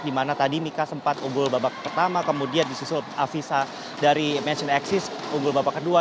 di mana tadi mika sempat unggul babak pertama kemudian disusul avisa dari mansion axis unggul babak kedua